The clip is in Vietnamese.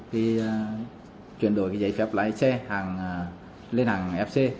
thì chuyển đổi giấy phép lái xe lên hàng fc